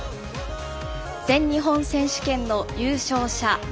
全日本選手権の優勝者。